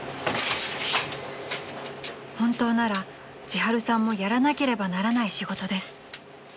［本当なら千春さんもやらなければならない仕事です］